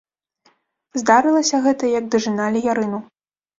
Здарылася гэта, як дажыналі ярыну.